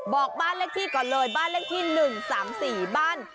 บอกบ้านเลขที่ก่อนเลยบ้านเลขที่๑๓๔บ้าน